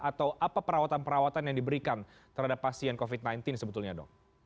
atau apa perawatan perawatan yang diberikan terhadap pasien covid sembilan belas sebetulnya dok